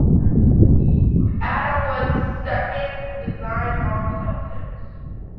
Adam was seconded to design bomb shelters.